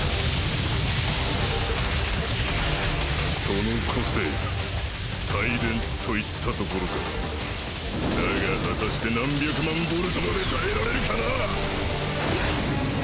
その個性帯電といったところかだが果たして何百万ボルトまで耐えられるかな！？